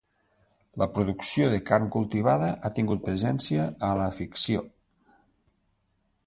La producció de carn cultivada ha tingut presència a la ficció.